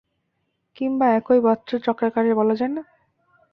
কিংবা একই বাচ্য চক্রাকারে বলা যায় না?